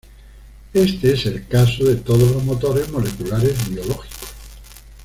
Este es el caso de todos los motores moleculares biológicos.